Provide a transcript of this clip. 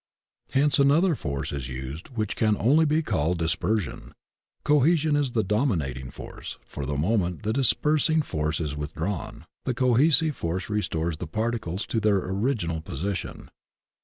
Hence another force is used which can only be called dispersion. Cohesion is the dominating force, for, the moment the dispersing force is withdrawn, the cohesive force restores the particles to their original position.